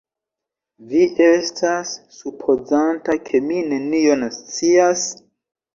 Vi estas supozanta, ke mi nenion scias?